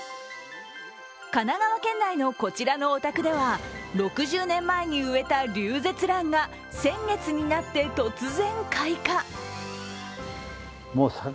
神奈川県内のこちらのお宅では６０年前に植えたリュウゼツランが先月になって突然、開花。